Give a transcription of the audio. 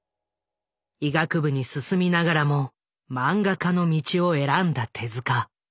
医学部に進みながらも漫画家の道を選んだ手。